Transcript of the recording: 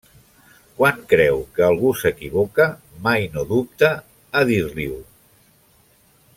Quan creu que algú s'equivoca, mai no dubta a dir-li-ho.